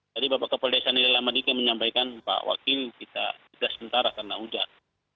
tadi bapak kepoldesa nidila madika menyampaikan pak wakil kita tidak sementara karena hujan